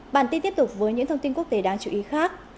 bản tin tiếp tục với những thông tin quốc tế đáng chú ý khác